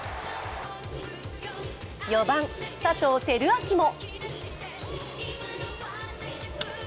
４番・佐藤輝明も。